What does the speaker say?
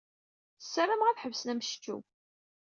Ssarameɣ ad ḥebsen ammectcew.